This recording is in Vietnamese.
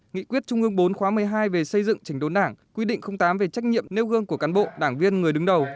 nghị quyết trung ương bốn khóa một mươi hai về xây dựng trình đốn đảng quy định tám về trách nhiệm nêu gương của cán bộ đảng viên người đứng đầu